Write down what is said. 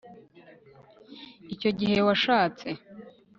icyo gihe washatse